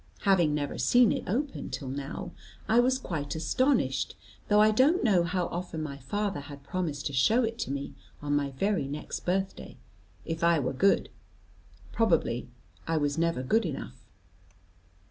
Having never seen it open till now, I was quite astonished, though I don't know how often my father had promised to show it to me on my very next birthday, if I were good. Probably I was never good enough.